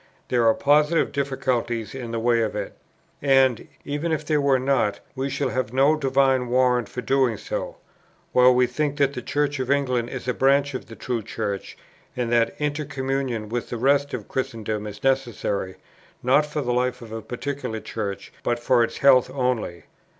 There are positive difficulties in the way of it. And, even if there were not, we shall have no divine warrant for doing so, while we think that the Church of England is a branch of the true Church, and that intercommunion with the rest of Christendom is necessary, not for the life of a particular Church, but for its health only.